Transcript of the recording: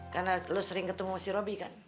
karena lu sering ketemu si robby kan